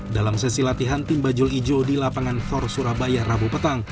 dalam sesi latihan tim bajul ijo di lapangan for surabaya rabu petang